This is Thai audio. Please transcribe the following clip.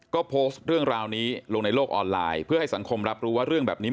ก็โพสต์เรื่องราวนี้ลงในโลกออนไลน์เพื่อให้สังคมรับรู้ว่าเรื่องแบบนี้